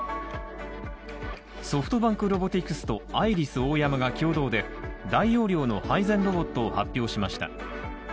ソフトバンクロボティクスとアイリスオーヤマが共同で大容量の配膳ロボットを発表しました。